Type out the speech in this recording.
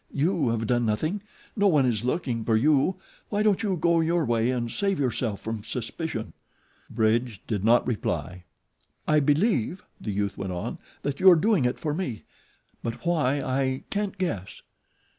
"You have done nothing. No one is looking for you. Why don't you go your way and save yourself from suspicion." Bridge did not reply. "I believe," the youth went on, "that you are doing it for me; but why I can't guess."